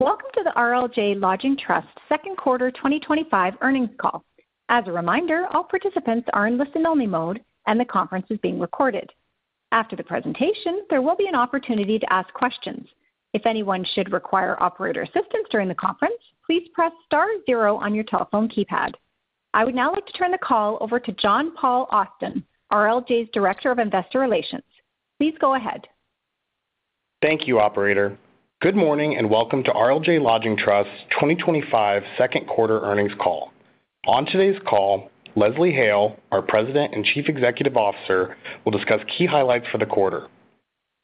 Welcome to the RLJ Lodging Trust Second Quarter 2025 Earnings Call. As a reminder, all participants are in listen-only mode, and the conference is being recorded. After the presentation, there will be an opportunity to ask questions. If anyone should require operator assistance during the conference, please press star zero on your telephone keypad. I would now like to turn the call over to John Paul Austin, RLJ's Director of Investor Relations. Please go ahead. Thank you, Operator. Good morning and welcome to RLJ Lodging Trust's 2025 Second Quarter Earnings Call. On today's call, Leslie Hale, our President and Chief Executive Officer, will discuss key highlights for the quarter.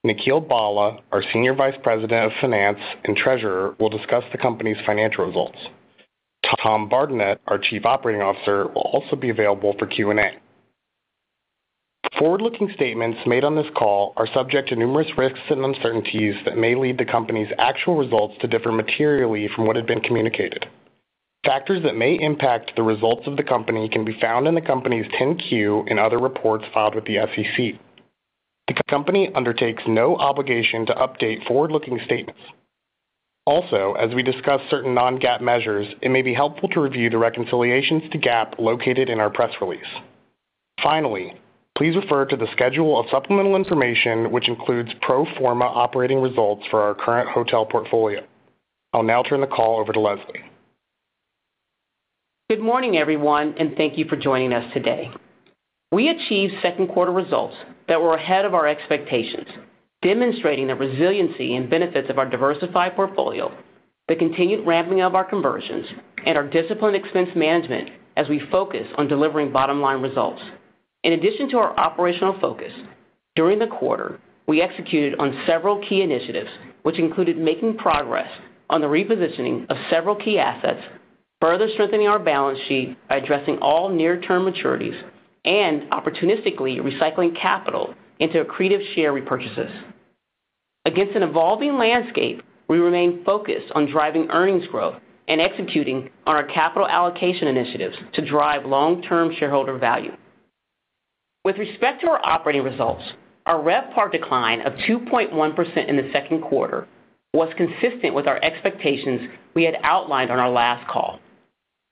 Nikhil Bhalla, our Senior Vice President of Finance and Treasurer, will discuss the company's financial results. Tom Bardenett, our Chief Operating Officer, will also be available for Q&A. Forward-looking statements made on this call are subject to numerous risks and uncertainties that may lead the company's actual results to differ materially from what had been communicated. Factors that may impact the results of the company can be found in the company's 10-Q and other reports filed with the SEC. The company undertakes no obligation to update forward-looking statements. Also, as we discuss certain non-GAAP measures, it may be helpful to review the reconciliations to GAAP located in our press release. Finally, please refer to the schedule of supplemental information, which includes pro forma operating results for our current hotel portfolio. I'll now turn the call over to Leslie. Good morning, everyone, and thank you for joining us today. We achieved second quarter results that were ahead of our expectations, demonstrating the resiliency and benefits of our diversified portfolio, the continued ramping up of our conversions, and our disciplined expense management as we focus on delivering bottom-line results. In addition to our operational focus, during the quarter, we executed on several key initiatives, which included making progress on the repositioning of several key assets, further strengthening our balance sheet by addressing all near-term maturities, and opportunistically recycling capital into accretive share repurchases. Against an evolving landscape, we remain focused on driving earnings growth and executing on our capital allocation initiatives to drive long-term shareholder value. With respect to our operating results, our RevPAR decline of 2.1% in the second quarter was consistent with our expectations we had outlined on our last call.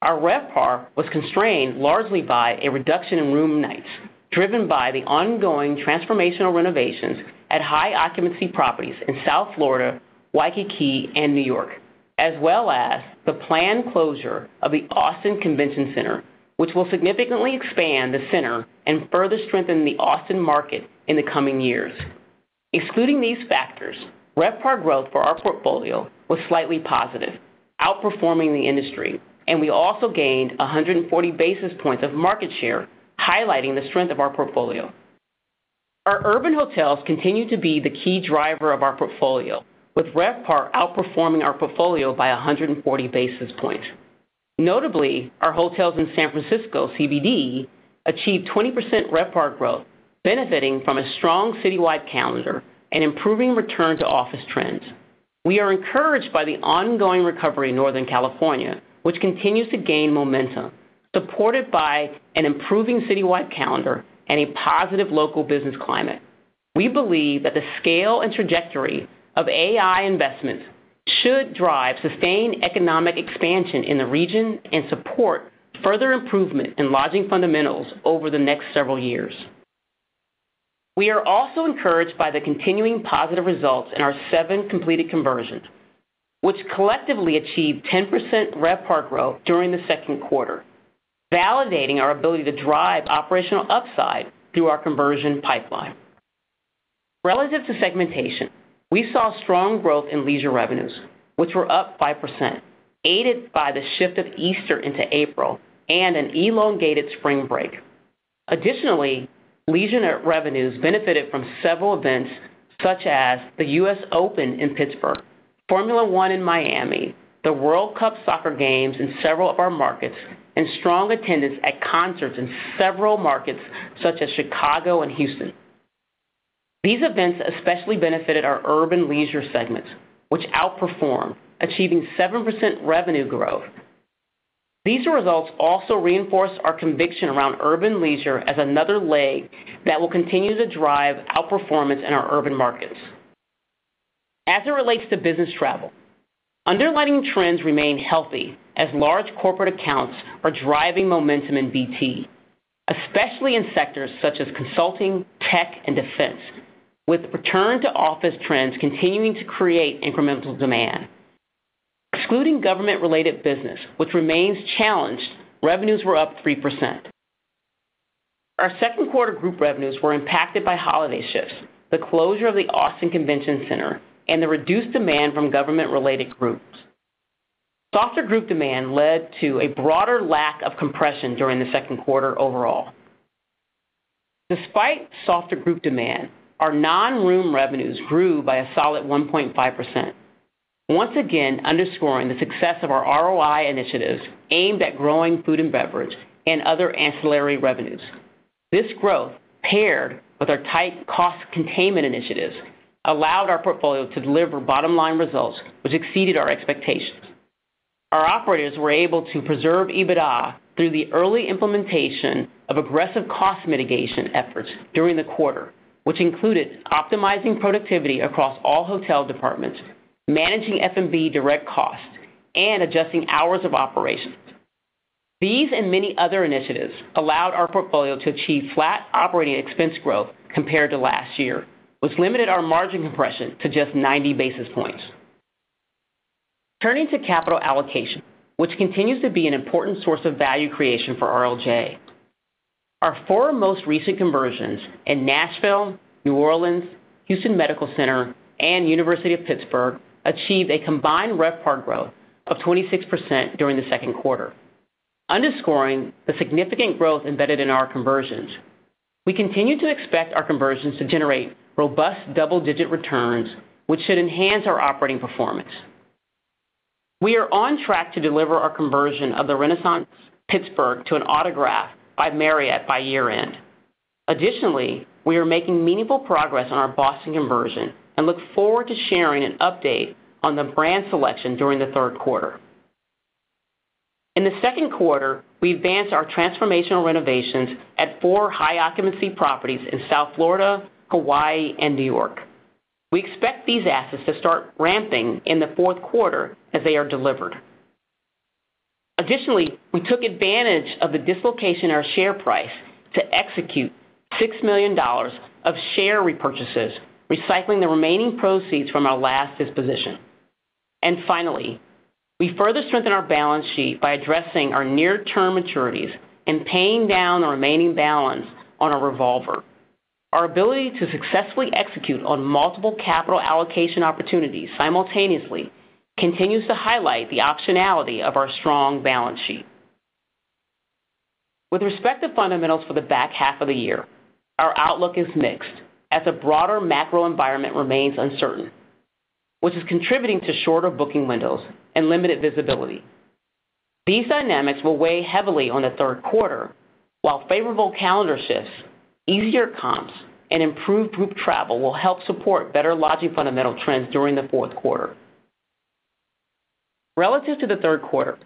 Our RevPAR was constrained largely by a reduction in room nights, driven by the ongoing transformational renovations at high-occupancy properties in South Florida, Waikiki, and New York, as well as the planned closure of the Austin Convention Center, which will significantly expand the center and further strengthen the Austin market in the coming years. Excluding these factors, RevPAR growth for our portfolio was slightly positive, outperforming the industry, and we also gained 140 basis points of market share, highlighting the strength of our portfolio. Our urban hotels continue to be the key driver of our portfolio, with RevPAR outperforming our portfolio by 140 basis points. Notably, our hotels in San Francisco, CBD, achieved 20% RevPAR growth, benefiting from a strong citywide calendar and improving return-to-office trends. We are encouraged by the ongoing recovery in Northern California, which continues to gain momentum, supported by an improving citywide calendar and a positive local business climate. We believe that the scale and trajectory of AI investments should drive sustained economic expansion in the region and support further improvement in lodging fundamentals over the next several years. We are also encouraged by the continuing positive results in our seven completed conversions, which collectively achieved 10% RevPAR growth during the second quarter, validating our ability to drive operational upside through our conversion pipeline. Relative to segmentation, we saw strong growth in leisure revenues, which were up 5%, aided by the shift of Easter into April and an elongated spring break. Additionally, leisure revenues benefited from several events such as the U.S. Open in Pittsburgh, Formula One in Miami, the World Cup soccer games in several of our markets, and strong attendance at concerts in several markets such as Chicago and Houston. These events especially benefited our urban leisure segments, which outperformed, achieving 7% revenue growth. These results also reinforce our conviction around urban leisure as another leg that will continue to drive outperformance in our urban markets. As it relates to business travel, underlying trends remain healthy as large corporate accounts are driving momentum in BT, especially in sectors such as consulting, tech, and defense, with return-to-office trends continuing to create incremental demand. Excluding government-related business, which remains challenged, revenues were up 3%. Our second quarter group revenues were impacted by holiday shifts, the closure of the Austin Convention Center, and the reduced demand from government-related groups. Softer group demand led to a broader lack of compression during the second quarter overall. Despite softer group demand, our non-room revenues grew by a solid 1.5%, once again underscoring the success of our ROI initiatives aimed at growing food and beverage and other ancillary revenues. This growth, paired with our tight cost containment initiatives, allowed our portfolio to deliver bottom-line results which exceeded our expectations. Our operators were able to preserve EBITDA through the early implementation of aggressive cost mitigation efforts during the quarter, which included optimizing productivity across all hotel departments, managing F&B direct costs, and adjusting hours of operations. These and many other initiatives allowed our portfolio to achieve flat operating expense growth compared to last year, which limited our margin compression to just 90 basis points. Turning to capital allocation, which continues to be an important source of value creation for RLJ, our four most recent conversions in Nashville, New Orleans, Houston Medical Center, and University of Pittsburgh achieved a combined RevPAR growth of 26% during the second quarter, underscoring the significant growth embedded in our conversions. We continue to expect our conversions to generate robust double-digit returns, which should enhance our operating performance. We are on track to deliver our conversion of the Renaissance Pittsburgh to an Autograph by Marriott by year-end. Additionally, we are making meaningful progress on our Boston conversion and look forward to sharing an update on the brand selection during the third quarter. In the second quarter, we advanced our transformational renovations at four high-occupancy properties in South Florida, Hawaii, and New York. We expect these assets to start ramping in the fourth quarter as they are delivered. Additionally, we took advantage of the dislocation in our share price to execute $6 million of share repurchases, recycling the remaining proceeds from our last disposition. Finally, we further strengthened our balance sheet by addressing our near-term maturities and paying down the remaining balance on a revolver. Our ability to successfully execute on multiple capital allocation opportunities simultaneously continues to highlight the optionality of our strong balance sheet. With respect to fundamentals for the back half of the year, our outlook is mixed as a broader macro environment remains uncertain, which is contributing to shorter booking windows and limited visibility. These dynamics will weigh heavily on the third quarter, while favorable calendar shifts, easier comps, and improved group travel will help support better lodging fundamental trends during the fourth quarter. Relative to the third quarter,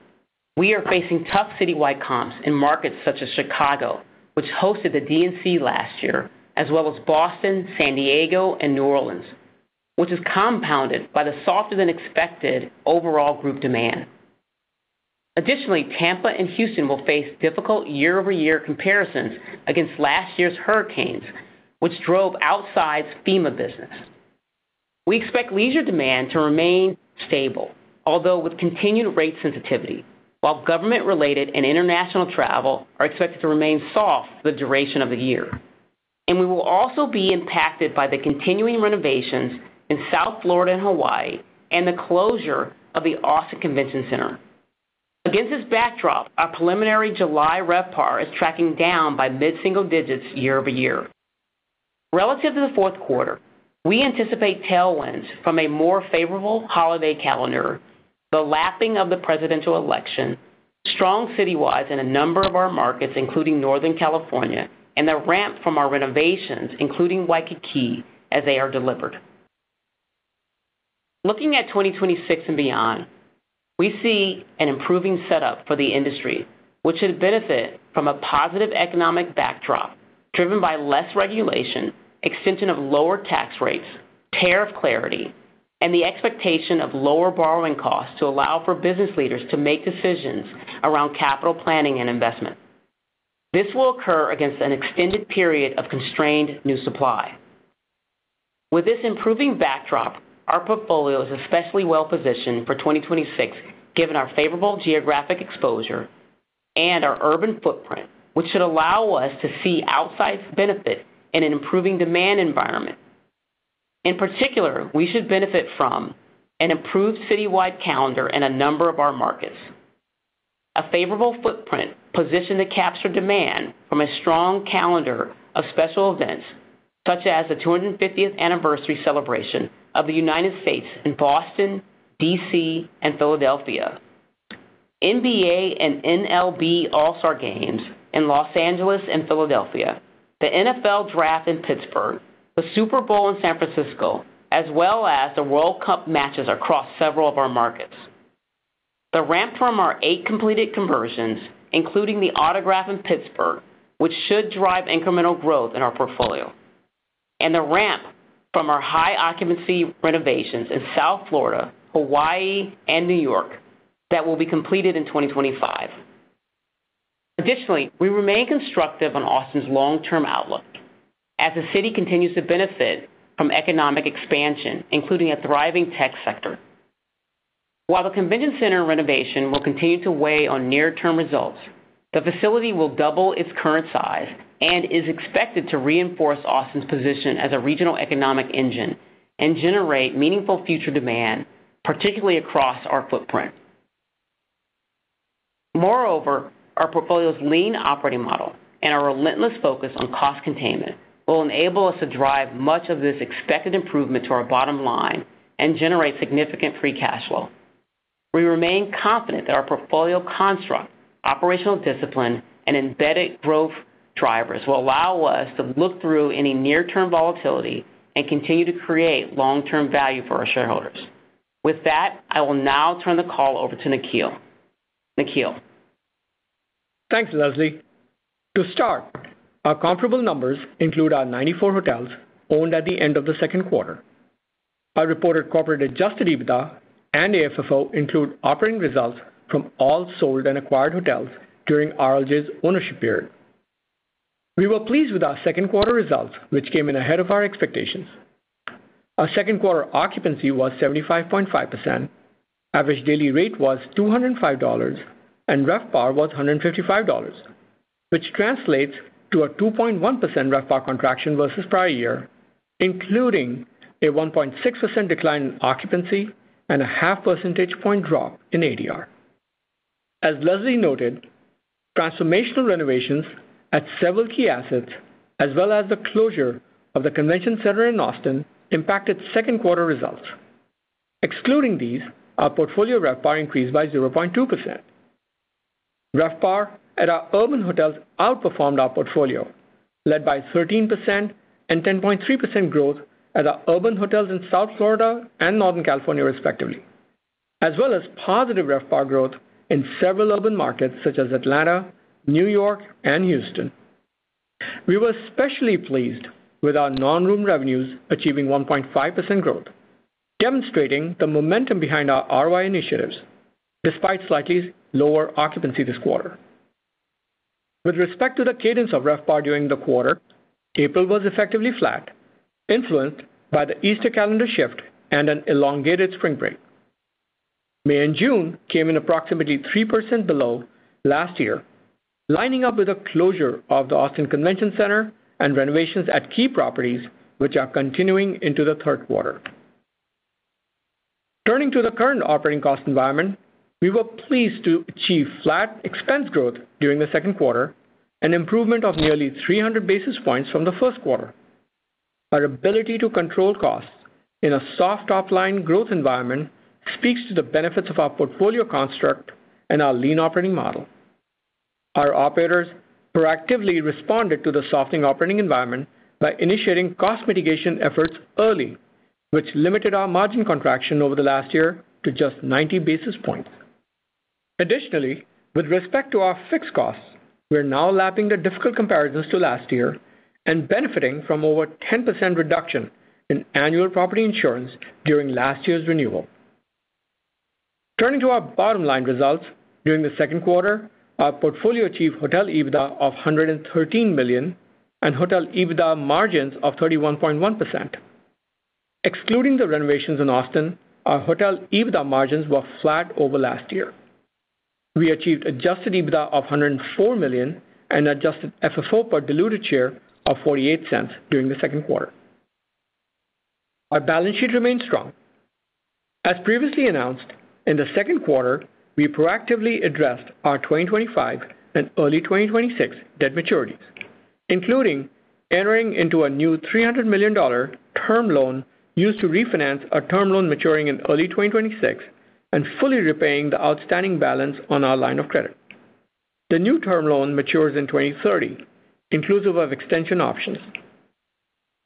we are facing tough citywide comps in markets such as Chicago, which hosted the DNC last year, as well as Boston, San Diego, and New Orleans, which is compounded by the softer than expected overall group demand. Additionally, Tampa and Houston will face difficult year-over-year comparisons against last year's hurricanes, which drove outside FEMA business. We expect leisure demand to remain stable, although with continued rate sensitivity, while government-related and international travel are expected to remain soft for the duration of the year. We will also be impacted by the continuing renovations in South Florida and Hawaii and the closure of the Austin Convention Center. Against this backdrop, our preliminary July RevPAR is tracking down by mid-single digits year-over-year. Relative to the fourth quarter, we anticipate tailwinds from a more favorable holiday calendar, the lapping of the presidential election, strong citywide in a number of our markets, including Northern California, and the ramp from our renovations, including Waikiki, as they are delivered. Looking at 2026 and beyond, we see an improving setup for the industry, which should benefit from a positive economic backdrop driven by less regulation, extension of lower tax rates, tariff clarity, and the expectation of lower borrowing costs to allow for business leaders to make decisions around capital planning and investment. This will occur against an extended period of constrained new supply. With this improving backdrop, our portfolio is especially well-positioned for 2026, given our favorable geographic exposure and our urban footprint, which should allow us to see outside benefit in an improving demand environment. In particular, we should benefit from an improved citywide calendar in a number of our markets. A favorable footprint positioned to capture demand from a strong calendar of special events, such as the 250th anniversary celebration of the United States in Boston, D.C., and Philadelphia, NBA and MLB All-Star Games in Los Angeles and Philadelphia, the NFL Draft in Pittsburgh, the Super Bowl in San Francisco, as well as the World Cup matches across several of our markets. The ramp from our eight completed conversions, including the Autograph in Pittsburgh, which should drive incremental growth in our portfolio, and the ramp from our high-occupancy renovations in South Florida, Hawaii, and New York that will be completed in 2025. Additionally, we remain constructive on Austin's long-term outlook as the city continues to benefit from economic expansion, including a thriving tech sector. While the Convention Center renovation will continue to weigh on near-term results, the facility will double its current size and is expected to reinforce Austin's position as a regional economic engine and generate meaningful future demand, particularly across our footprint. Moreover, our portfolio's lean operating model and our relentless focus on cost containment will enable us to drive much of this expected improvement to our bottom line and generate significant free cash flow. We remain confident that our portfolio construct, operational discipline, and embedded growth drivers will allow us to look through any near-term volatility and continue to create long-term value for our shareholders. With that, I will now turn the call over to Nikhil. Nikhil. Thanks, Leslie. To start, our comparable numbers include our 94 hotels owned at the end of the second quarter. Our reported corporate adjusted EBITDA and AFFO include operating results from all sold and acquired hotels during RLJ's ownership year. We were pleased with our second quarter results, which came in ahead of our expectations. Our second quarter occupancy was 75.5%, average daily rate was $205, and RevPAR was $155, which translates to a 2.1% RevPAR contraction versus prior year, including a 1.6% decline in occupancy and a 0.5% drop in ADR. As Leslie noted, transformational renovations at several key assets, as well as the closure of the Convention Center in Austin, impacted second quarter results. Excluding these, our portfolio RevPAR increased by 0.2%. RevPAR at our urban hotels outperformed our portfolio, led by 13% and 10.3% growth at our urban hotels in South Florida and Northern California, respectively, as well as positive RevPAR growth in several urban markets such as Atlanta, New York, and Houston. We were especially pleased with our non-room revenues achieving 1.5% growth, demonstrating the momentum behind our ROI initiatives, despite slightly lower occupancy this quarter. With respect to the cadence of RevPAR during the quarter, April was effectively flat, influenced by the Easter calendar shift and an elongated spring break. May and June came in approximately 3% below last year, lining up with the closure of the Austin Convention Center and renovations at key properties, which are continuing into the third quarter. Turning to the current operating cost environment, we were pleased to achieve flat expense growth during the second quarter, an improvement of nearly 300 basis points from the first quarter. Our ability to control costs in a soft top-line growth environment speaks to the benefits of our portfolio construct and our lean operating model. Our operators proactively responded to the softening operating environment by initiating cost mitigation efforts early, which limited our margin contraction over the last year to just 90 basis points. Additionally, with respect to our fixed costs, we are now lapping the difficult comparisons to last year and benefiting from over 10% reduction in annual property insurance during last year's renewal. Turning to our bottom-line results during the second quarter, our portfolio achieved hotel EBITDA of $113 million and hotel EBITDA margins of 31.1%. Excluding the renovations in Austin, our hotel EBITDA margins were flat over last year. We achieved adjusted EBITDA of $104 million and adjusted FFO per diluted share of $0.48 during the second quarter. Our balance sheet remains strong. As previously announced, in the second quarter, we proactively addressed our 2025 and early 2026 debt maturities, including entering into a new $300 million term loan used to refinance a term loan maturing in early 2026 and fully repaying the outstanding balance on our line of credit. The new term loan matures in 2030, inclusive of extension options.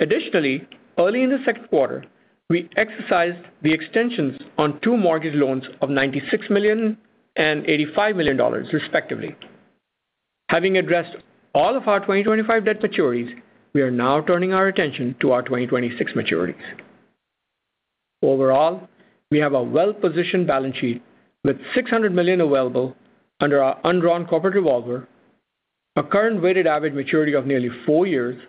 Additionally, early in the second quarter, we exercised the extensions on two mortgage loans of $96 million and $85 million, respectively. Having addressed all of our 2025 debt maturities, we are now turning our attention to our 2026 maturities. Overall, we have a well-positioned balance sheet with $600 million available under our undrawn corporate revolver, a current weighted average maturity of nearly four years,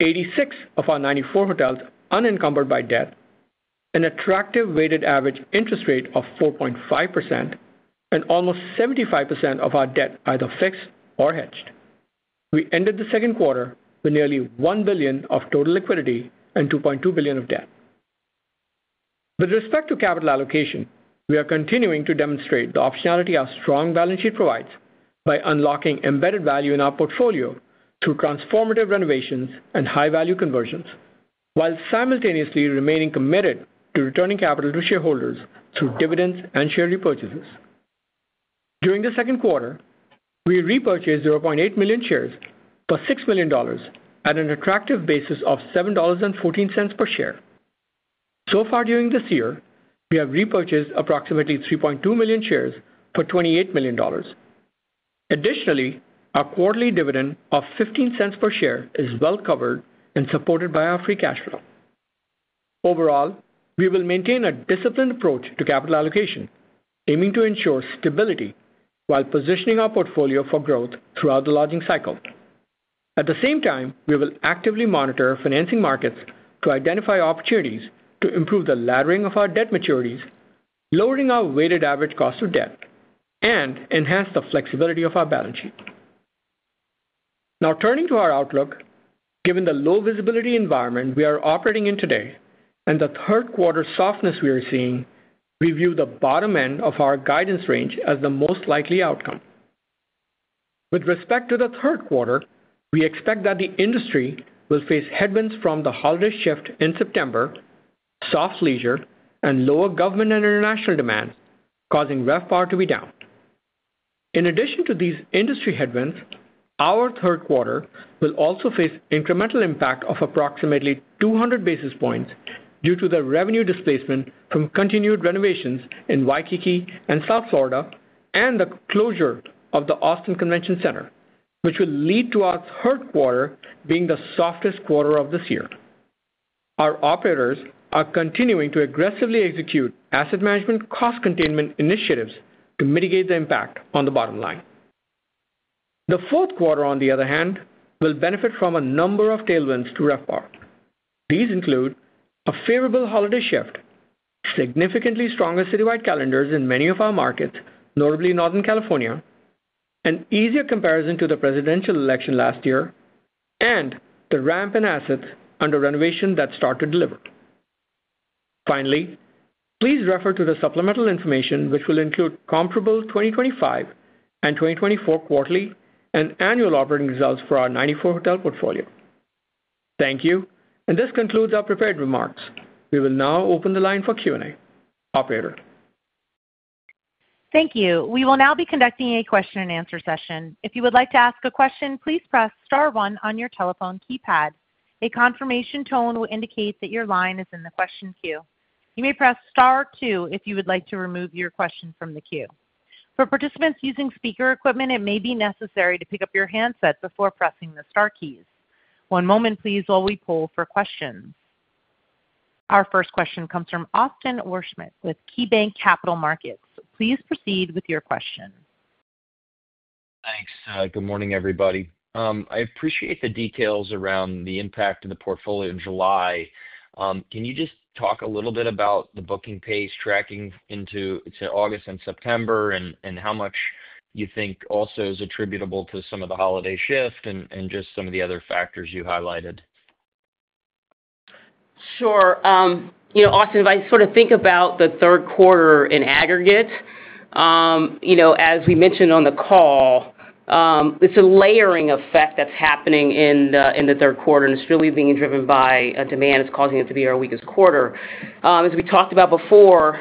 86 of our 94 hotels unencumbered by debt, an attractive weighted average interest rate of 4.5%, and almost 75% of our debt either fixed or hedged. We ended the second quarter with nearly $1 billion of total liquidity and $2.2 billion of debt. With respect to capital allocation, we are continuing to demonstrate the optionality our strong balance sheet provides by unlocking embedded value in our portfolio through transformational renovations and high-value conversions, while simultaneously remaining committed to returning capital to shareholders through dividends and share repurchases. During the second quarter, we repurchased 0.8 million shares for $6 million at an attractive basis of $7.14 per share. So far during this year, we have repurchased approximately 3.2 million shares for $28 million. Additionally, our quarterly dividend of $0.15 per share is well covered and supported by our free cash flow. Overall, we will maintain a disciplined approach to capital allocation, aiming to ensure stability while positioning our portfolio for growth throughout the lodging cycle. At the same time, we will actively monitor financing markets to identify opportunities to improve the laddering of our debt maturities, lowering our weighted average cost to debt, and enhance the flexibility of our balance sheet. Now, turning to our outlook, given the low visibility environment we are operating in today and the third quarter softness we are seeing, we view the bottom end of our guidance range as the most likely outcome. With respect to the third quarter, we expect that the industry will face headwinds from the holiday shift in September, soft leisure, and lower government and international demand, causing RevPAR to be down. In addition to these industry headwinds, our third quarter will also face an incremental impact of approximately 200 basis points due to the revenue displacement from continued renovations in Waikiki and South Florida and the closure of the Austin Convention Center, which will lead to our third quarter being the softest quarter of this year. Our operators are continuing to aggressively execute asset management cost containment initiatives to mitigate the impact on the bottom line. The fourth quarter, on the other hand, will benefit from a number of tailwinds to RevPAR. These include a favorable holiday shift, significantly stronger citywide calendars in many of our markets, notably Northern California, an easier comparison to the presidential election last year, and the ramp in assets under renovation that start to deliver. Finally, please refer to the supplemental information, which will include comparable 2025 and 2024 quarterly and annual operating results for our 94 hotel portfolio. Thank you, and this concludes our prepared remarks. We will now open the line for Q&A. Operator. Thank you. We will now be conducting a question-and-answer session. If you would like to ask a question, please press star one on your telephone keypad. A confirmation tone will indicate that your line is in the question queue. You may press star two if you would like to remove your question from the queue. For participants using speaker equipment, it may be necessary to pick up your handset before pressing the star keys. One moment, please, while we poll for questions. Our first question comes from Austin Wurschmidt with KeyBanc Capital Markets. Please proceed with your question. Thanks. Good morning, everybody. I appreciate the details around the impact of the portfolio in July. Can you just talk a little bit about the booking pace tracking into August and September, and how much you think also is attributable to some of the holiday shift and just some of the other factors you highlighted? Sure. You know, Austin, if I sort of think about the third quarter in aggregate, as we mentioned on the call, it's a layering effect that's happening in the third quarter, and it's really being driven by demand. It's causing it to be our weakest quarter. As we talked about before,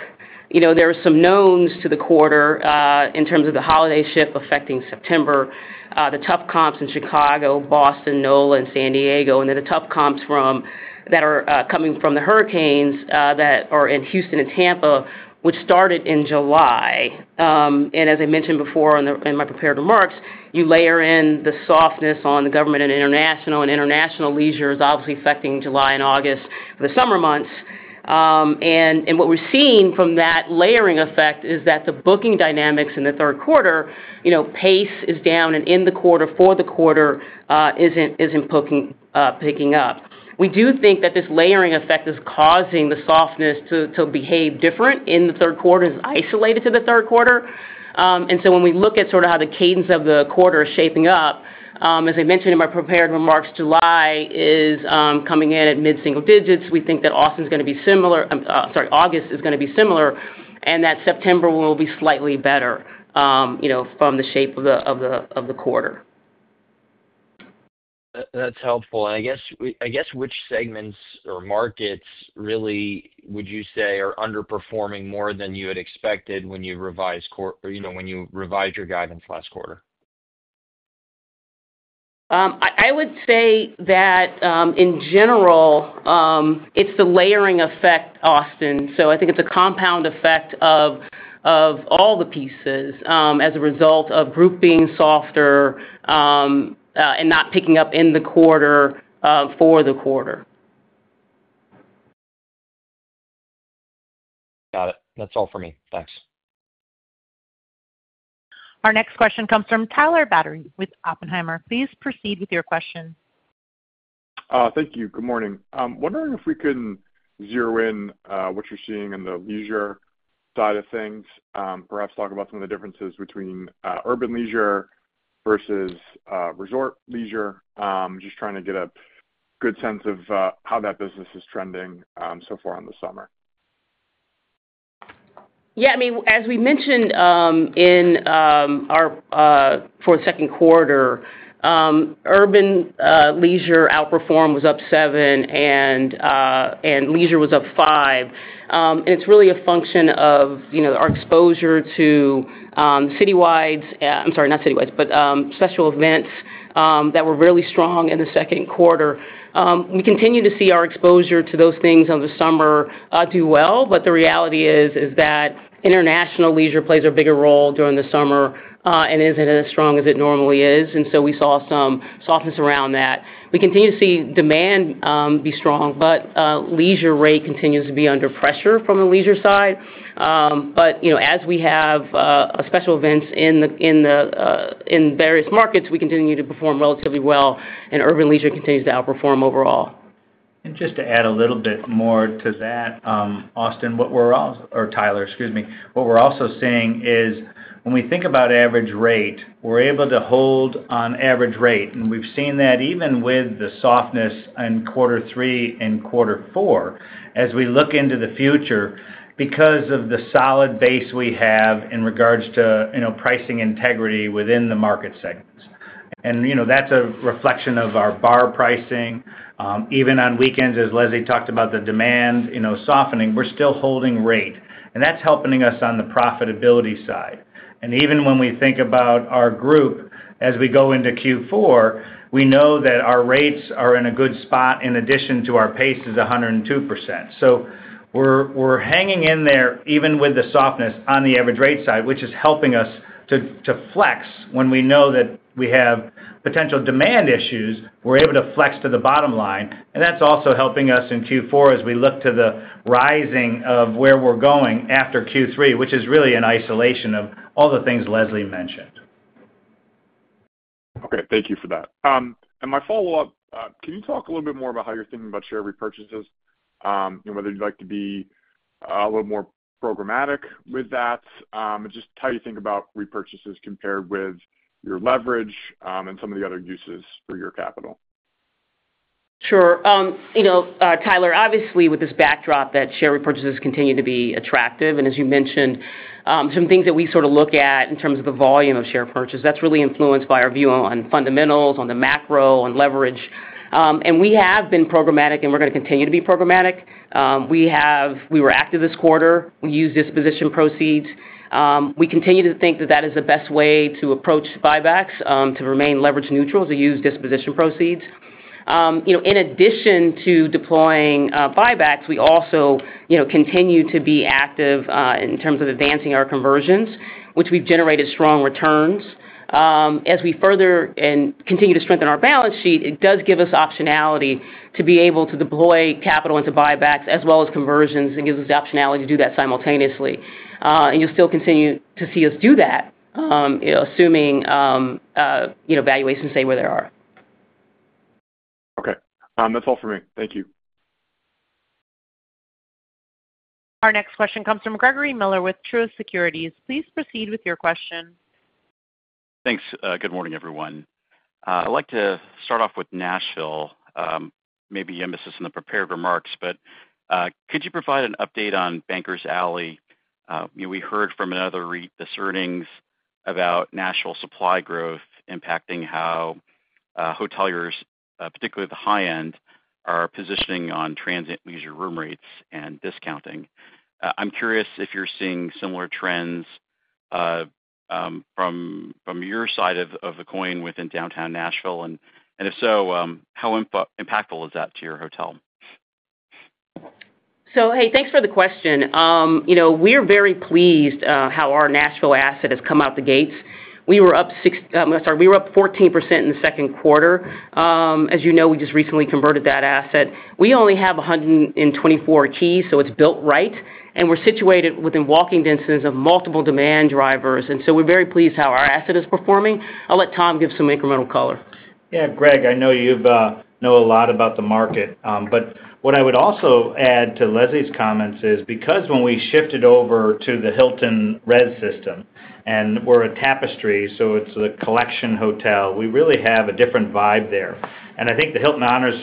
there are some knowns to the quarter in terms of the holiday shift affecting September, the tough comps in Chicago, Boston, New Orleans, and San Diego, and then the tough comps that are coming from the hurricanes that are in Houston and Tampa, which started in July. As I mentioned before in my prepared remarks, you layer in the softness on the government and international and international leisure, obviously affecting July and August, the summer months. What we're seeing from that layering effect is that the booking dynamics in the third quarter, pace is down and in the quarter for the quarter isn't picking up. We do think that this layering effect is causing the softness to behave different in the third quarter as isolated to the third quarter. When we look at sort of how the cadence of the quarter is shaping up, as I mentioned in my prepared remarks, July is coming in at mid-single digits. We think that Austin is going to be similar, sorry, August is going to be similar, and that September will be slightly better from the shape of the quarter. That's helpful. I guess which segments or markets really would you say are underperforming more than you had expected when you revised your guidance last quarter? I would say that in general, it's the layering effect, Austin. I think it's a compound effect of all the pieces as a result of group being softer and not picking up in the quarter for the quarter. Got it. That's all for me. Thanks. Our next question comes from Tyler Batory with Oppenheimer. Please proceed with your question. Thank you. Good morning. I'm wondering if we can zero in on what you're seeing in the leisure side of things, perhaps talk about some of the differences between urban leisure versus resort leisure, just trying to get a good sense of how that business is trending so far in the summer. Yeah, I mean, as we mentioned in our fourth and second quarter, urban leisure outperformed, was up 7%, and leisure was up 5%. It's really a function of our exposure to special events that were really strong in the second quarter. We continue to see our exposure to those things over the summer do well. The reality is that international leisure plays a bigger role during the summer and isn't as strong as it normally is, so we saw some softness around that. We continue to see demand be strong, but leisure rate continues to be under pressure from the leisure side. As we have special events in various markets, we continue to perform relatively well, and urban leisure continues to outperform overall. To add a little bit more to that, Tyler, what we're also seeing is when we think about average rate, we're able to hold on average rate. We've seen that even with the softness in Q3 and Q4, as we look into the future, because of the solid base we have in regards to pricing integrity within the market segments. That's a reflection of our bar pricing. Even on weekends, as Leslie talked about the demand softening, we're still holding rate. That's helping us on the profitability side. Even when we think about our group, as we go into Q4, we know that our rates are in a good spot in addition to our pace to the 102%. We're hanging in there, even with the softness on the average rate side, which is helping us to flex when we know that we have potential demand issues. We're able to flex to the bottom line. That's also helping us in Q4 as we look to the rising of where we're going after Q3, which is really an isolation of all the things Leslie mentioned. Thank you for that. My follow-up, can you talk a little bit more about how you're thinking about share repurchases and whether you'd like to be a little more programmatic with that? Just how you think about repurchases compared with your leverage and some of the other uses for your capital. Sure. You know, Tyler, obviously with this backdrop that share repurchases continue to be attractive, and as you mentioned, some things that we sort of look at in terms of the volume of share purchase, that's really influenced by our view on fundamentals, on the macro, on leverage. We have been programmatic, and we're going to continue to be programmatic. We were active this quarter. We used disposition proceeds. We continue to think that that is the best way to approach buybacks, to remain leverage neutral, to use disposition proceeds. In addition to deploying buybacks, we also continue to be active in terms of advancing our conversions, which we've generated strong returns. As we further and continue to strengthen our balance sheet, it does give us optionality to be able to deploy capital into buybacks as well as conversions, and it gives us the optionality to do that simultaneously. You'll still continue to see us do that, assuming valuations stay where they are. Okay, that's all for me. Thank you. Our next question comes from Gregory Miller with Truist Securities. Please proceed with your question. Thanks. Good morning, everyone. I'd like to start off with Nashville, maybe the emphasis in the prepared remarks, but could you provide an update on Bankers Alley? We heard from another REIT this earnings about Nashville supply growth impacting how hoteliers, particularly at the high end, are positioning on transit leisure room rates and discounting. I'm curious if you're seeing similar trends from your side of the coin within downtown Nashville, and if so, how impactful is that to your hotel? Thank you for the question. We're very pleased how our Nashville asset has come out the gates. We were up 14% in the second quarter. As you know, we just recently converted that asset. We only have 124 keys, so it's built right, and we're situated within walking distance of multiple demand drivers. We're very pleased how our asset is performing. I'll let Tom give some incremental color. Greg, I know you know a lot about the market, but what I would also add to Leslie's comments is because when we shifted over to the Hilton Rez system, and we're a Tapestry, so it's the collection hotel, we really have a different vibe there. I think the Hilton Honors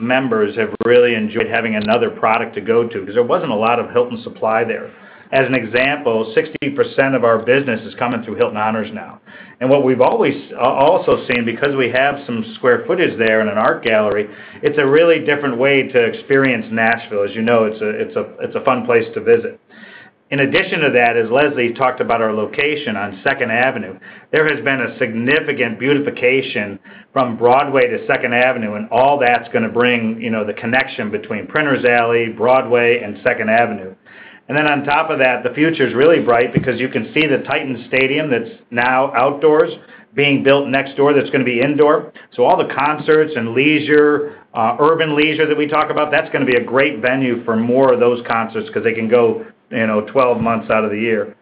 members have really enjoyed having another product to go to because there wasn't a lot of Hilton supply there. As an example, 60% of our business is coming through Hilton Honors now. What we've also seen, because we have some square footage there and an art gallery, it's a really different way to experience Nashville. As you know, it's a fun place to visit. In addition to that, as Leslie talked about our location on 2nd Avenue, there has been a significant beautification from Broadway to 2nd Avenue, and all that's going to bring the connection between Printers Alley, Broadway, and 2nd Avenue. On top of that, the future's really bright because you can see the Titan Stadium that's now outdoors being built next door that's going to be indoor. All the concerts and urban leisure that we talk about, that's going to be a great venue for more of those concerts because they can go 12 months out of the year.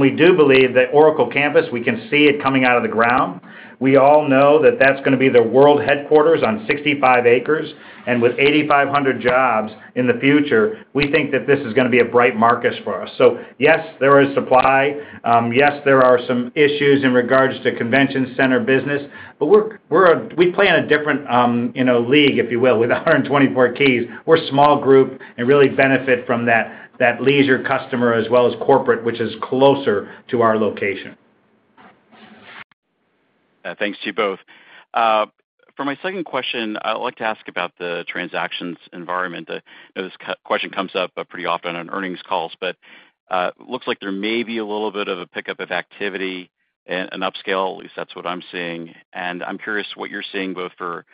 We do believe that Oracle Campus, we can see it coming out of the ground. We all know that that's going to be the world headquarters on 65 acres, and with 8,500 jobs in the future, we think that this is going to be a bright market for us. Yes, there is supply. Yes, there are some issues in regards to convention center business, but we play in a different league, if you will, with 124 keys. We're a small group and really benefit from that leisure customer as well as corporate, which is closer to our location. Thanks to you both. For my second question, I'd like to ask about the transactions environment. I know this question comes up pretty often on earnings calls, but it looks like there may be a little bit of a pickup of activity and an upscale, at least that's what I'm seeing. I'm curious what you're seeing both for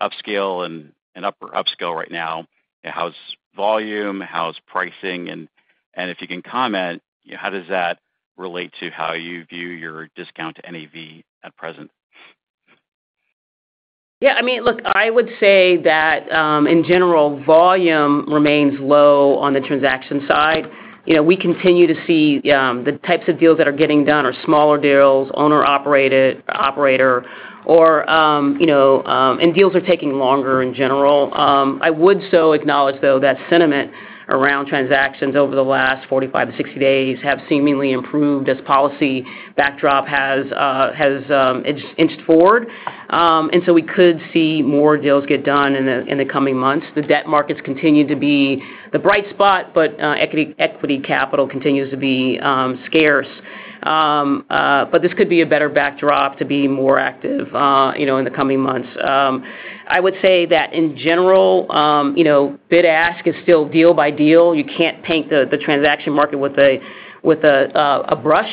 upscale and upscale right now. How's volume? How's pricing? If you can comment, how does that relate to how you view your discount to NAV at present? Yeah, I mean, look, I would say that in general, volume remains low on the transaction side. We continue to see the types of deals that are getting done are smaller deals, owner-operated, operator, or, you know, and deals are taking longer in general. I would acknowledge, though, that sentiment around transactions over the last 45-60 days has seemingly improved as policy backdrop has inched forward. We could see more deals get done in the coming months. The debt markets continue to be the bright spot, but equity capital continues to be scarce. This could be a better backdrop to be more active in the coming months. I would say that in general, bid-ask is still deal-by-deal. You can't paint the transaction market with a brush.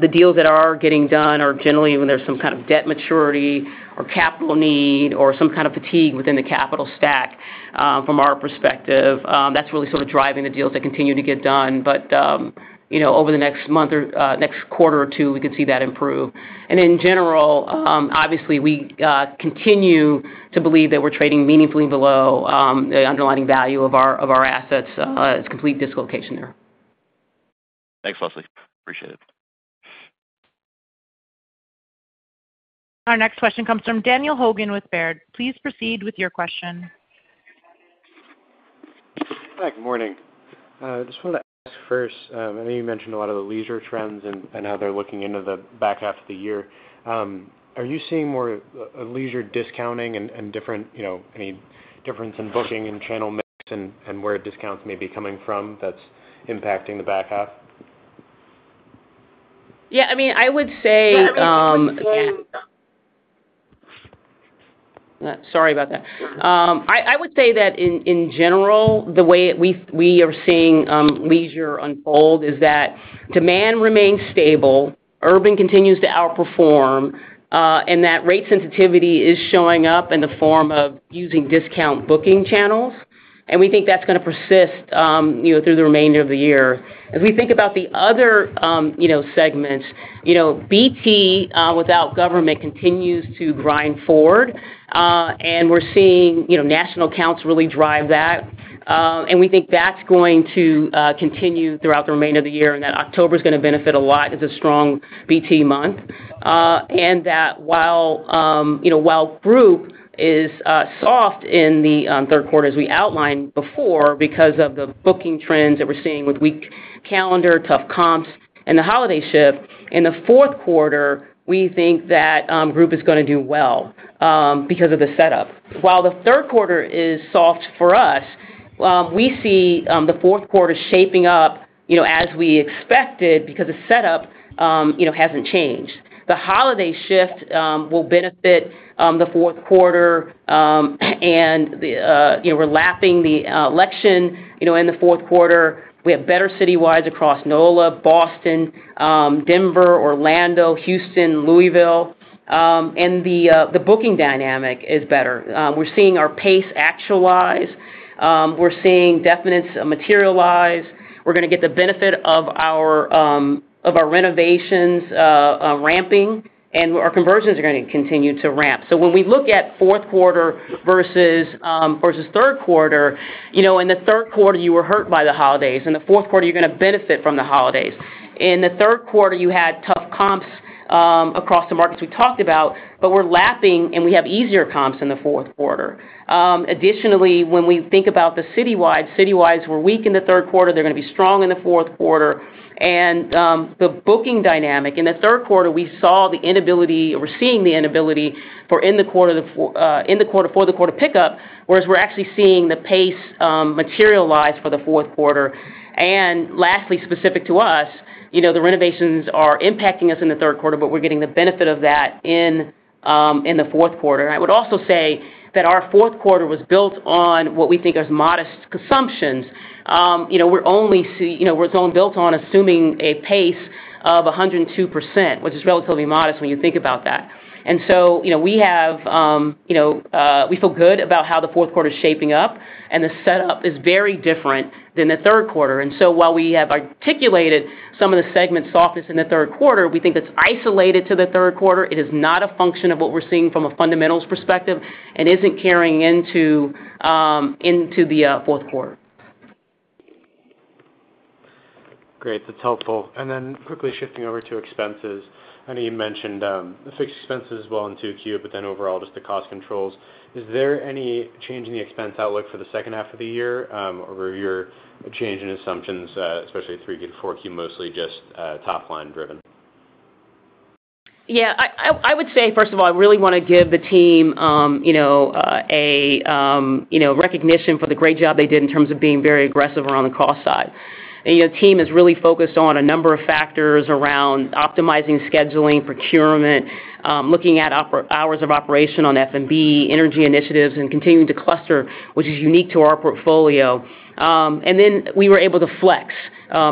The deals that are getting done are generally when there's some kind of debt maturity or capital need or some kind of fatigue within the capital stack. From our perspective, that's really sort of driving the deals that continue to get done. Over the next month or next quarter or two, we could see that improve. In general, obviously, we continue to believe that we're trading meaningfully below the underlying value of our assets. It's complete dislocation there. Thanks, Leslie. Appreciate it. Our next question comes from Daniel Hogan with Baird. Please proceed with your question. Hi, good morning. I just wanted to ask first, I know you mentioned a lot of the leisure trends and how they're looking into the back half of the year. Are you seeing more leisure discounting and any difference in booking and channel mix and where discounts may be coming from that's impacting the back half? I would say that in general, the way we are seeing leisure unfold is that demand remains stable, urban continues to outperform, and that rate sensitivity is showing up in the form of using discount booking channels. We think that's going to persist through the remainder of the year. As we think about the other segments, BT without government continues to grind forward. We're seeing national counts really drive that, and we think that's going to continue throughout the remainder of the year and that October is going to benefit a lot as a strong BT month. While group is soft in the third quarter, as we outlined before, because of the booking trends that we're seeing with weak calendar, tough comps, and the holiday shift, in the fourth quarter, we think that group is going to do well because of the setup. While the third quarter is soft for us, we see the fourth quarter shaping up as we expected because the setup hasn't changed. The holiday shift will benefit the fourth quarter, and we're lapping the election in the fourth quarter. We have better citywides across New Orleans, Boston, Denver, Orlando, Houston, Louisville, and the booking dynamic is better. We're seeing our pace actualize. We're seeing definites materialize. We're going to get the benefit of our renovations ramping, and our conversions are going to continue to ramp. When we look at fourth quarter versus third quarter, in the third quarter, you were hurt by the holidays. In the fourth quarter, you're going to benefit from the holidays. In the third quarter, you had tough comps across the markets we talked about, but we're lapping and we have easier comps in the fourth quarter. Additionally, when we think about the citywides, citywides were weak in the third quarter. They're going to be strong in the fourth quarter. The booking dynamic in the third quarter, we saw the inability, or we're seeing the inability for in the quarter for the quarter pickup, whereas we're actually seeing the pace materialize for the fourth quarter. Lastly, specific to us, the renovations are impacting us in the third quarter, but we're getting the benefit of that in the fourth quarter. I would also say that our fourth quarter was built on what we think are modest consumptions. We're zoned built on assuming a pace of 102%, which is relatively modest when you think about that. We feel good about how the fourth quarter is shaping up, and the setup is very different than the third quarter. While we have articulated some of the segment softness in the third quarter, we think that's isolated to the third quarter. It is not a function of what we're seeing from a fundamentals perspective and isn't carrying into the fourth quarter. Great, that's helpful. Quickly shifting over to expenses, I know you mentioned the fixed expenses as well in 2Q, but overall just the cost controls. Is there any change in the expense outlook for the second half of the year, or your change in assumptions, especially 3Q to 4Q, mostly just top-line driven? Yeah, I would say, first of all, I really want to give the team a recognition for the great job they did in terms of being very aggressive around the cost side. The team is really focused on a number of factors around optimizing scheduling, procurement, looking at hours of operation on F&B, energy initiatives, and continuing to cluster, which is unique to our portfolio. We were able to flex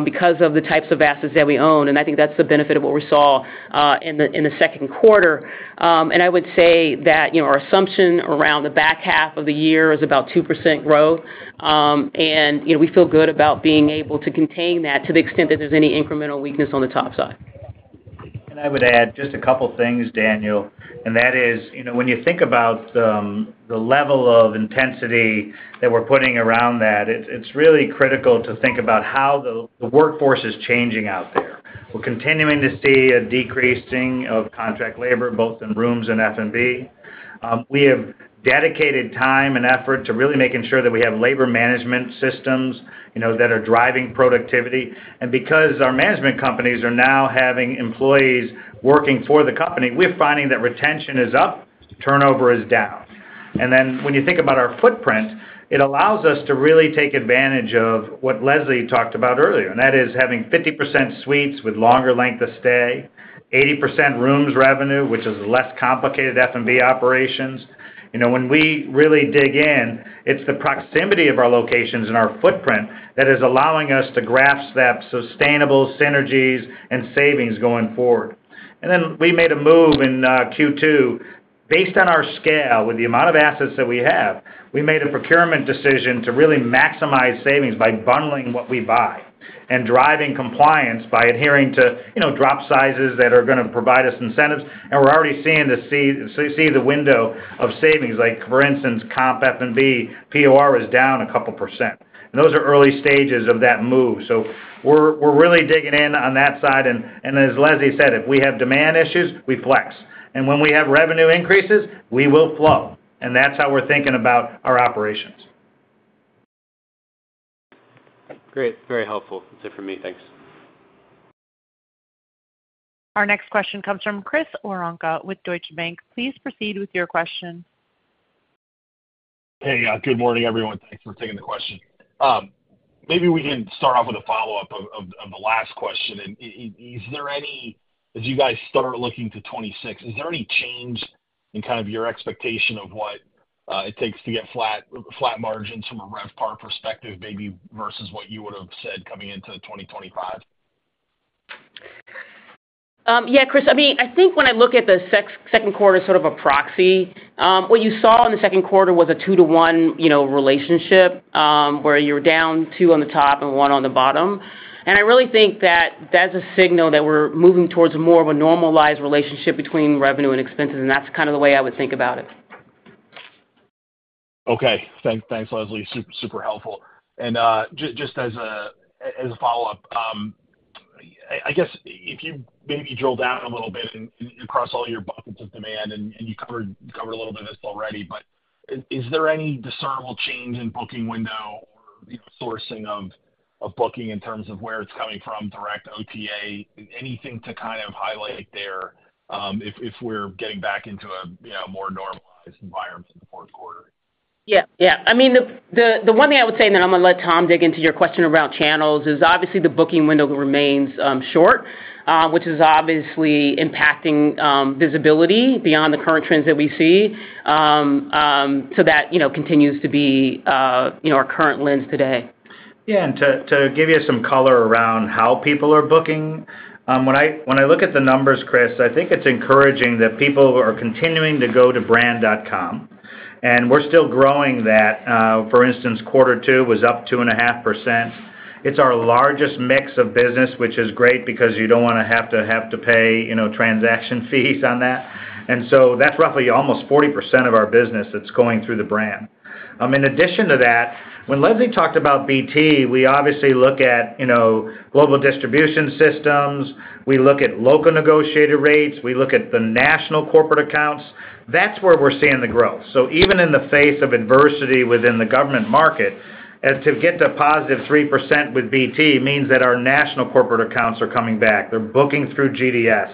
because of the types of assets that we own, and I think that's the benefit of what we saw in the second quarter. I would say that our assumption around the back half of the year is about 2% growth, and we feel good about being able to contain that to the extent that there's any incremental weakness on the top side. I would add just a couple of things, Daniel, and that is, you know, when you think about the level of intensity that we're putting around that, it's really critical to think about how the workforce is changing out there. We're continuing to see a decreasing of contract labor, both in rooms and F&B. We have dedicated time and effort to really making sure that we have labor management systems, you know, that are driving productivity. Because our management companies are now having employees working for the company, we're finding that retention is up, turnover is down. When you think about our footprint, it allows us to really take advantage of what Leslie talked about earlier, and that is having 50% suites with longer length of stay, 80% rooms revenue, which is less complicated F&B operations. You know, when we really dig in, it's the proximity of our locations and our footprint that is allowing us to grasp that sustainable synergies and savings going forward. We made a move in Q2. Based on our scale with the amount of assets that we have, we made a procurement decision to really maximize savings by bundling what we buy and driving compliance by adhering to, you know, drop sizes that are going to provide us incentives. We're already seeing the window of savings, like for instance, comp F&B POR is down a couple percent. Those are early stages of that move. We're really digging in on that side. As Leslie said, if we have demand issues, we flex. When we have revenue increases, we will flow. That's how we're thinking about our operations. Great, very helpful. That's it for me. Thanks. Our next question comes from Chris Woronka with Deutsche Bank. Please proceed with your question. Hey, good morning everyone. Thanks for taking the question. Maybe we can start off with a follow-up of the last question. Is there any, as you guys start looking to 2026, is there any change in kind of your expectation of what it takes to get flat margins from a RevPAR perspective, maybe versus what you would have said coming into 2025? Yeah, Chris, I mean, I think when I look at the second quarter as sort of a proxy, what you saw in the second quarter was a two-to-one relationship where you're down two on the top and one on the bottom. I really think that that's a signal that we're moving towards more of a normalized relationship between revenue and expenses, and that's kind of the way I would think about it. Okay, thanks, Leslie. Super, super helpful. Just as a follow-up, I guess if you maybe drill down a little bit across all your buckets of demand, and you covered a little bit of this already, is there any discernible change in booking window, you know, sourcing of booking in terms of where it's coming from, direct OTA, anything to kind of highlight there if we're getting back into a more normalized environment in the fourth quarter? Yeah. I mean, the one thing I would say, and then I'm going to let Tom dig into your question around channels, is obviously the booking window remains short, which is obviously impacting visibility beyond the current trends that we see. That continues to be our current lens today. Yeah, to give you some color around how people are booking, when I look at the numbers, Chris, I think it's encouraging that people are continuing to go to brand.com. We're still growing that. For instance, quarter two was up 2.5%. It's our largest mix of business, which is great because you don't want to have to pay transaction fees on that. That's roughly almost 40% of our business that's going through the brand. In addition to that, when Leslie talked about BT, we obviously look at global distribution systems. We look at local negotiated rates. We look at the national corporate accounts. That's where we're seeing the growth. Even in the face of adversity within the government market, to get to positive 3% with BT means that our national corporate accounts are coming back. They're booking through GDS.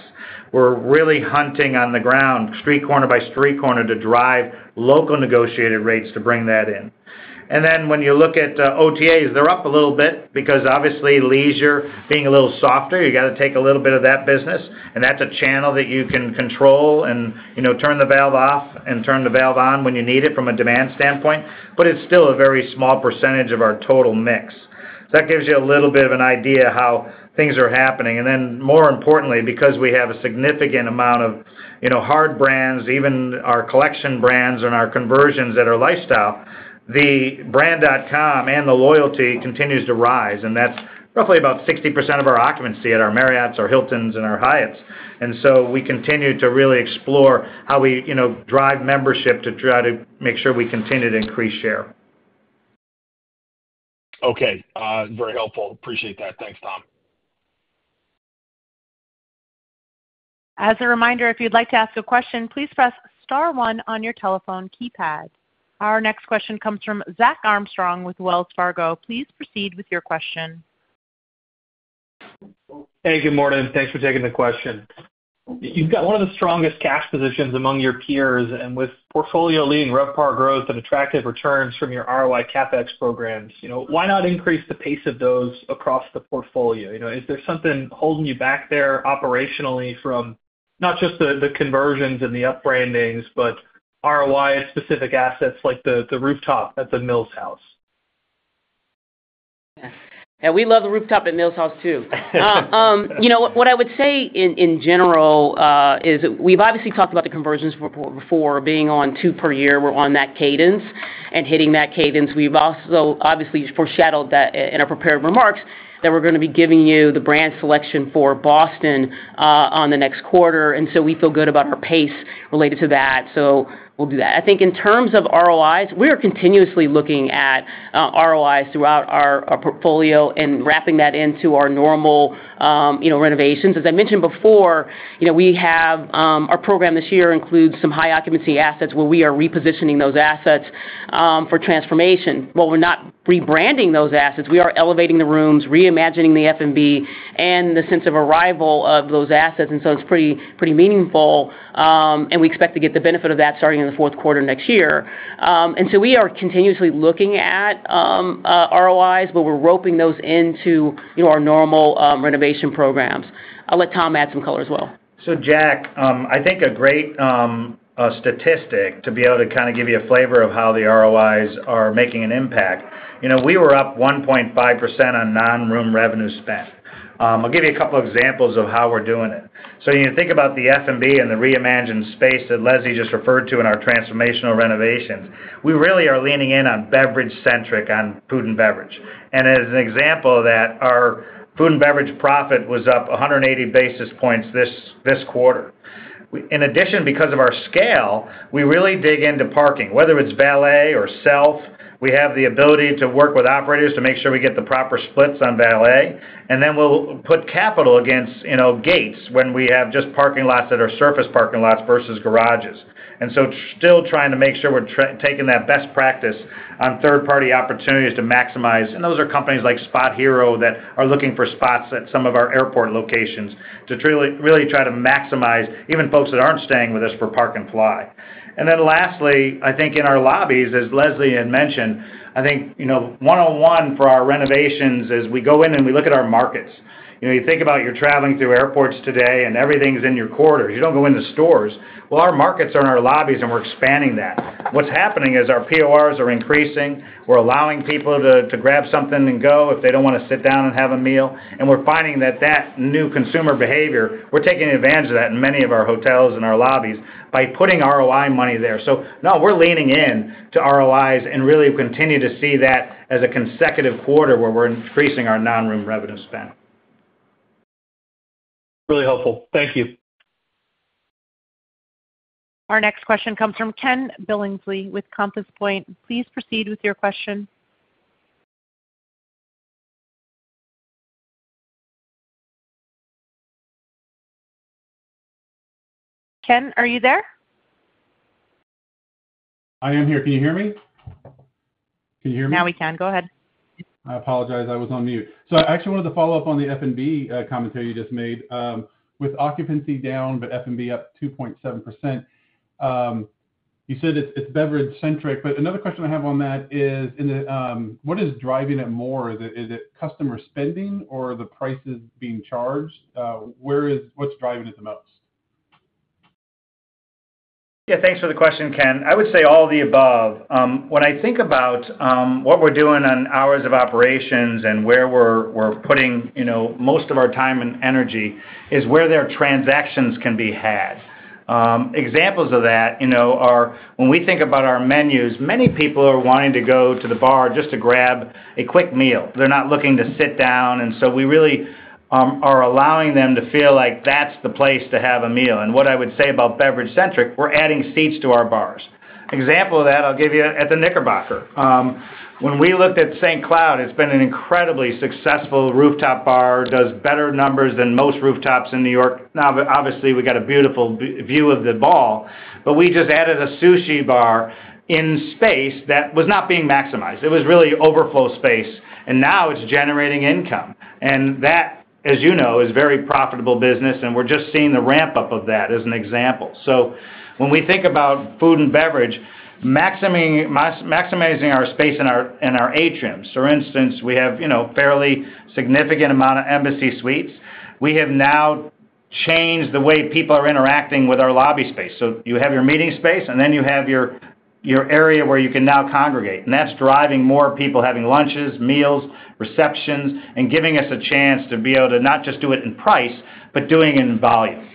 We're really hunting on the ground, street corner by street corner, to drive local negotiated rates to bring that in. When you look at OTAs, they're up a little bit because obviously leisure being a little softer, you got to take a little bit of that business. That's a channel that you can control and turn the valve off and turn the valve on when you need it from a demand standpoint. It's still a very small percentage of our total mix. That gives you a little bit of an idea of how things are happening. More importantly, because we have a significant amount of hard brands, even our collection brands and our conversions that are lifestyle, the brand.com and the loyalty continues to rise. That's roughly about 60% of our occupancy at our Marriotts, our Hiltons, and our Hyatts. We continue to really explore how we drive membership to try to make sure we continue to increase share. Okay, very helpful. Appreciate that. Thanks, Tom. As a reminder, if you'd like to ask a question, please press star one on your telephone keypad. Our next question comes from Zach Armstrong with Wells Fargo. Please proceed with your question. Hey, good morning. Thanks for taking the question. You've got one of the strongest cash positions among your peers, and with portfolio-leading RevPAR growth and attractive returns from your ROI CapEx programs, why not increase the pace of those across the portfolio? Is there something holding you back there operationally from not just the conversions and the upbrandings, but ROI-specific assets like the rooftop at the Mills House? Yeah, we love the rooftop at Mills House too. What I would say in general is that we've obviously talked about the conversions before, being on two per year. We're on that cadence and hitting that cadence. We've also foreshadowed that in our prepared remarks that we're going to be giving you the brand selection for Boston on the next quarter. We feel good about our pace related to that. We'll do that. I think in terms of ROIs, we're continuously looking at ROIs throughout our portfolio and wrapping that into our normal renovations. As I mentioned before, we have our program this year includes some high occupancy assets where we are repositioning those assets for transformation. While we're not rebranding those assets, we are elevating the rooms, reimagining the F&B, and the sense of arrival of those assets. It's pretty meaningful. We expect to get the benefit of that starting in the fourth quarter next year. We are continuously looking at ROIs, but we're roping those into our normal renovation programs. I'll let Tom add some color as well. Jack, I think a great statistic to be able to kind of give you a flavor of how the ROIs are making an impact. We were up 1.5% on non-room revenue spend. I'll give you a couple of examples of how we're doing it. You think about the F&B and the reimagined space that Leslie just referred to in our transformational renovations. We really are leaning in on beverage-centric, on food and beverage. As an example of that, our food and beverage profit was up 180 basis points this quarter. In addition, because of our scale, we really dig into parking, whether it's valet or self. We have the ability to work with operators to make sure we get the proper splits on valet. We'll put capital against, you know, gates when we have just parking lots that are surface parking lots versus garages. Still trying to make sure we're taking that best practice on third-party opportunities to maximize. Those are companies like SpotHero that are looking for spots at some of our airport locations to really try to maximize even folks that aren't staying with us for park and fly. Lastly, I think in our lobbies, as Leslie had mentioned, 101 for our renovations is we go in and we look at our markets. You think about you're traveling through airports today and everything's in your quarters. You don't go into stores. Our markets are in our lobbies and we're expanding that. What's happening is our PORs are increasing. We're allowing people to grab something and go if they don't want to sit down and have a meal. We're finding that that new consumer behavior, we're taking advantage of that in many of our hotels and our lobbies by putting ROI money there. We're leaning into ROIs and really continue to see that as a consecutive quarter where we're increasing our non-room revenue spend. Really helpful. Thank you. Our next question comes from Ken Billingsley with Compass Point. Please proceed with your question. Ken, are you there? I am here. Can you hear me? Now we can go ahead. I apologize. I was on mute. I actually wanted to follow up on the F&B commentary you just made. With occupancy down, but F&B up 2.7%, you said it's beverage-centric. Another question I have on that is, what is driving it more? Is it customer spending or the prices being charged? Where is what's driving it the most? Yeah, thanks for the question, Ken. I would say all of the above. When I think about what we're doing on hours of operations and where we're putting most of our time and energy is where their transactions can be had. Examples of that are when we think about our menus, many people are wanting to go to the bar just to grab a quick meal. They're not looking to sit down. We really are allowing them to feel like that's the place to have a meal. What I would say about beverage-centric, we're adding seats to our bars. Example of that, I'll give you at the Knickerbocker. When we looked at St. Cloud, it's been an incredibly successful rooftop bar, does better numbers than most rooftops in New York. Obviously, we got a beautiful view of the ball, but we just added a sushi bar in space that was not being maximized. It was really overflow space, and now it's generating income. That, as you know, is a very profitable business. We're just seeing the ramp-up of that as an example. When we think about food and beverage, maximizing our space in our atriums, for instance, we have a fairly significant amount of Embassy Suites. We have now changed the way people are interacting with our lobby space. You have your meeting space, and then you have your area where you can now congregate. That's driving more people having lunches, meals, receptions, and giving us a chance to be able to not just do it in price, but doing it in volume.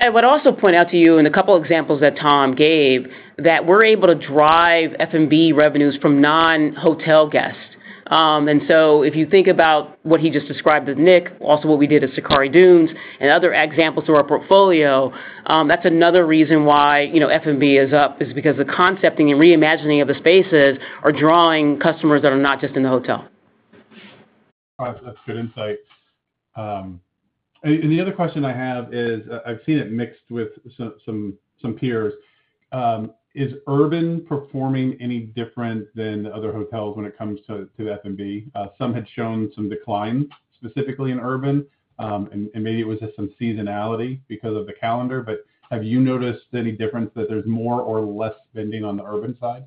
I would also point out to you in a couple of examples that Tom gave that we're able to drive F&B revenues from non-hotel guests. If you think about what he just described as Nick, also what we did at Sakari Dunes and other examples to our portfolio, that's another reason why F&B is up is because the concepting and reimagining of the spaces are drawing customers that are not just in the hotel. That's good insight. The other question I have is, I've seen it mixed with some peers. Is urban performing any different than other hotels when it comes to F&B? Some had shown some decline specifically in urban, and maybe it was just some seasonality because of the calendar. Have you noticed any difference that there's more or less spending on the urban side?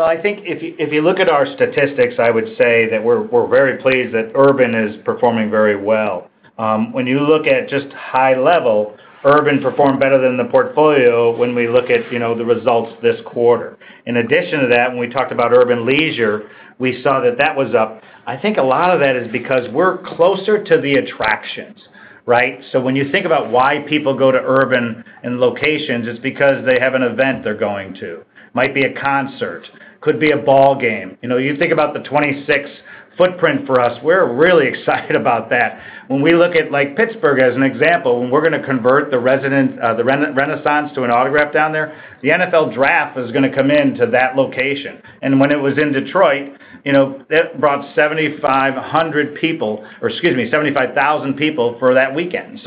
I think if you look at our statistics, I would say that we're very pleased that urban is performing very well. When you look at just high level, urban performed better than the portfolio when we look at, you know, the results this quarter. In addition to that, when we talked about urban leisure, we saw that that was up. I think a lot of that is because we're closer to the attractions, right? When you think about why people go to urban locations, it's because they have an event they're going to. Might be a concert, could be a ball game. You know, you think about the 26-footprint for us. We're really excited about that. When we look at like Pittsburgh as an example, when we're going to convert the Renaissance to an autograph down there, the NFL draft is going to come into that location. When it was in Detroit, it brought 75,000 people for that weekend.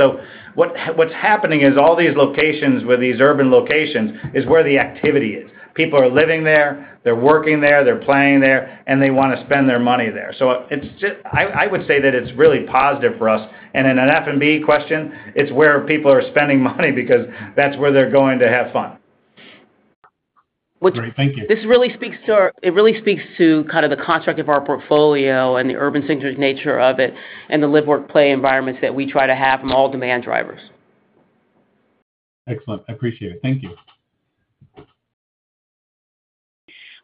What's happening is all these locations with these urban locations is where the activity is. People are living there, they're working there, they're playing there, and they want to spend their money there. I would say that it's really positive for us. In an F&B question, it's where people are spending money because that's where they're going to have fun. This really speaks to the construct of our portfolio and the urban-centric nature of it, and the live-work-play environments that we try to have from all demand drivers. Excellent. I appreciate it. Thank you.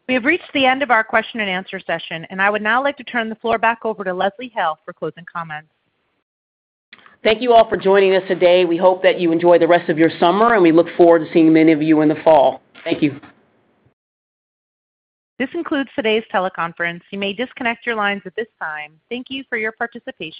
We have reached the end of our question-and-answer session, and I would now like to turn the floor back over to Leslie Hale for closing comments. Thank you all for joining us today. We hope that you enjoy the rest of your summer, and we look forward to seeing many of you in the fall. Thank you. This concludes today's teleconference. You may disconnect your lines at this time. Thank you for your participation.